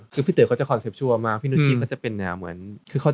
คือพี่เต๋อเขาจะคอนเซปชัวร์มาก